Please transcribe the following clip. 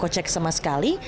kocek sama sekali